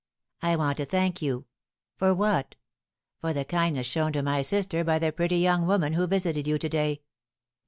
"I want to thank you." "For what?" "For the kindness shown to my sister by the pretty young woman who visited you to day."